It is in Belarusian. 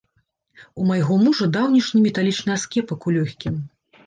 У майго мужа даўнішні металічны аскепак ў лёгкім.